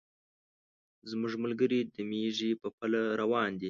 زموږ ملګري د مېږي په پله روان دي.